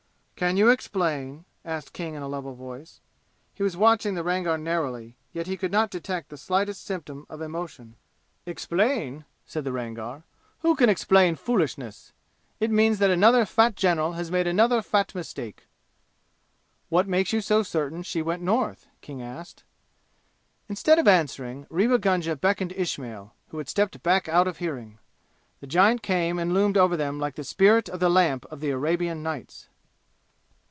"Can you explain?" asked King in a level voice. He was watching the Rangar narrowly, yet he could not detect the slightest symptom of emotion. "Explain?" said the Rangar. "Who can explain foolishness? It means that another fat general has made another fat mistake!" "What makes you so certain she went North?" King asked. Instead of answering, Rewa Gunga beckoned Ismail, who had stepped back out of hearing. The giant came and loomed over them like the Spirit of the Lamp of the Arabian Nights.